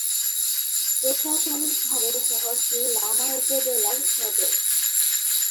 প্রশাসনিকভাবে শহরটি লামা উপজেলার সদর।